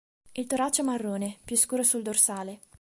Il torace è marrone, più scuro sul dorsale.